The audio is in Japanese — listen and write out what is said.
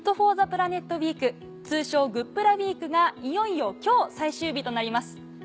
ウィーク通称「グップラウィーク」がいよいよ今日最終日となります。